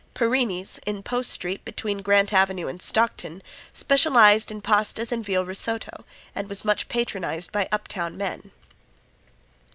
Perini's, in Post street between Grant avenue and Stockton, specialized in pastes and veal risotto, and was much patronized by uptown men.